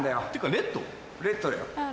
レッドだよ。